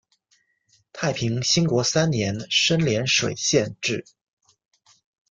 太平兴国三年升涟水县置。